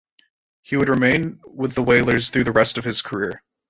He would remain with the Whalers through the rest of his career.